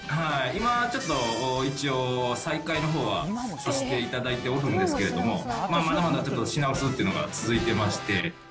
今はちょっと、一応、再開のほうはしていただいておるんですけども、まあ、まだまだちょっと品薄っていうのが続いてまして。